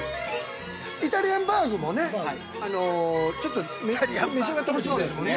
イタリアンバーグもね、ちょっと召し上がってほしいですもんね？